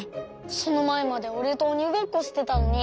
そのまえまでおれとおにごっこしてたのに？